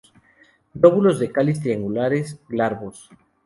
Lóbulos del cáliz triangulares, glabros.